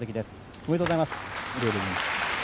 おめでとうございます。